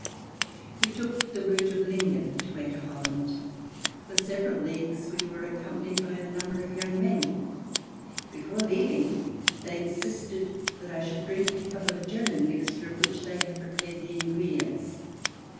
We took the route of Lingen to enter Holland. For several leagues we were accompanied by a number of young men. Before leaving they insisted that I should drink a cup of a German mixture of which they had prepared the ingredients.